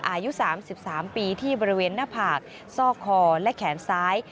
อายุ๓๓ปีที่บริเวณหน้าผากซอกคอและแขนซ้าย